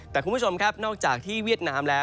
แต่คุณผู้ชมครับนอกจากที่เวียดนามแล้ว